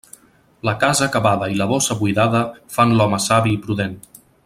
La casa acabada i la bossa buidada fan l'home savi i prudent.